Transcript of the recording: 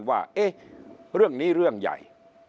ว่าเรื่องนี้เรื่องใหญ่